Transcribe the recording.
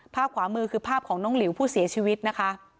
ขวามือคือภาพของน้องหลิวผู้เสียชีวิตนะคะ